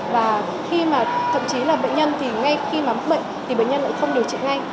và thậm chí là bệnh nhân thì ngay khi mất bệnh thì bệnh nhân lại không điều trị ngay